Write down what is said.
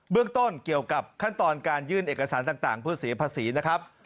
เรื่องต้นเกี่ยวกับขั้นตอนการยื่นเอกสารต่างเพื่อเสียภาษีนะครับ